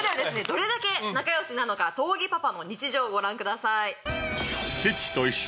どれだけ仲良しなのか東儀パパの日常ご覧ください。